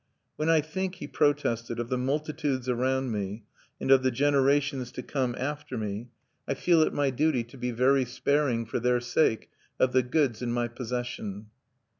"When I think," he protested, "of the multitudes around me, and of the generations to come after me, I feel it my duty to be very sparing, for their sake, of the goods in my possession."